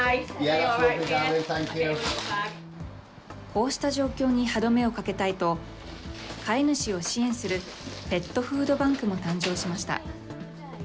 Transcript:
こうした状況に歯止めをかけたいと、飼い主を支援するペットフードバンクも登場しました。